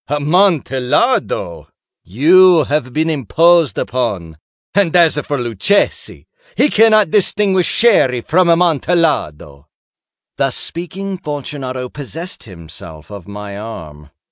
Amontillado! You have been imposed upon. And as for Luchesi, he cannot distinguish Sherry from Amontillado." Thus speaking, Fortunato possessed himself of my arm.